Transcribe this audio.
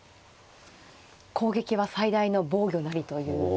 攻撃は最大の防御なりということですか。